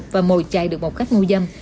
và mồi chạy được một khách mua dâm